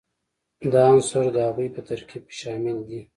دا عنصر د هغوي په ترکیب کې شامل دي.